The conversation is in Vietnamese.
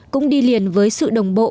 cũng đi liền với sự đồng bộ